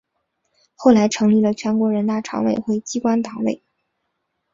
后来成立了全国人大常委会机关党委。